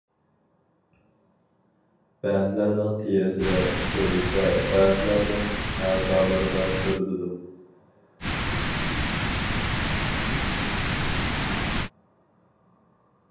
بەزىلەرنىڭ تېرىسىدە كۆرۈلسە، بەزىلەرنىڭ ئەزالىرىدا كۆرۈلىدۇ.